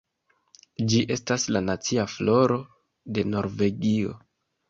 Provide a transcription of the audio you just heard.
Ĝi estas la nacia floro de Norvegio.